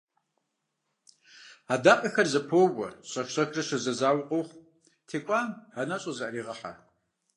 Адакъэхэр зэпоуэ, щӀэх-щӀэхыурэ щызэзауи къохъу, текӀуам анэщӀэр зыӀэрегъэхьэ.